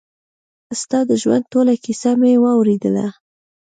ستا د ژوند ټوله کيسه مې واورېدله.